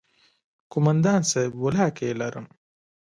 کومندان صايب ولله که يې لرم.